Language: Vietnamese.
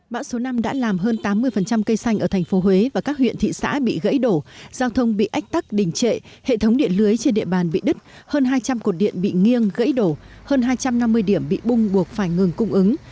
bão số năm đã làm hơn tám mươi cây xanh ở thành phố huế và các huyện thị xã bị gãy đổ giao thông bị ách tắc đình trệ hệ thống điện lưới trên địa bàn bị đứt hơn hai trăm linh cột điện bị nghiêng gãy đổ hơn hai trăm năm mươi điểm bị bung buộc phải ngừng cung ứng